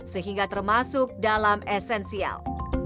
sehingga termasuk dalam esensial